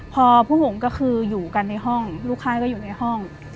พอพวกผมก็คืออยู่กันในห้องลูกค่ายก็อยู่ในห้อง